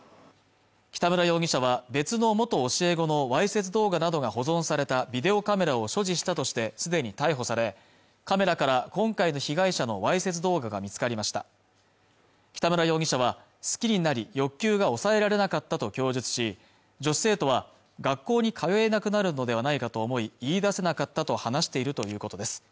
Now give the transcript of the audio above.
北村容疑者は別の元教え子のわいせつ動画などが保存されたビデオカメラを所持したとしてすでに逮捕されカメラから今回の被害者のわいせつ動画が見つかりました北村容疑者は好きになり欲求が抑えられなかったと供述し女子生徒は学校に通えなくなるのではないかと思い言い出せなかったと話しているということです